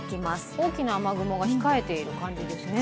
大きな雨雲が控えている感じですね。